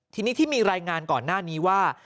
ทีนี้ที่มีรายงานก่อนหน้านี้ว่า